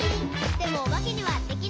「でもおばけにはできない」